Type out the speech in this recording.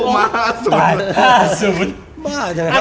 ก็พวกมาห้าศูนย์เลยนะครับมีมาห้าศูนย์มาห้าศูนย์เติ๊ด